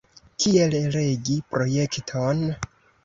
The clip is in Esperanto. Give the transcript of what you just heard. Kiel regi projekton?